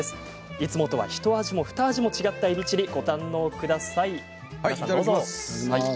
いつもとは、ひと味もふた味も違ったえびチリ、ご堪能ください。